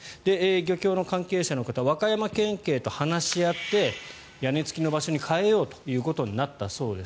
漁協の関係者の方、和歌山県警と話し合って屋根付きの場所に変えようということになったそうです。